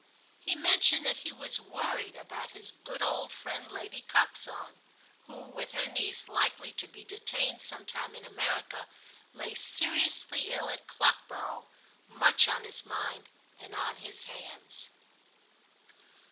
He mentioned that he was worried about his good old friend Lady Coxon, who, with her niece likely to be detained some time in America, lay seriously ill at Clockborough, much on his mind and on his hands.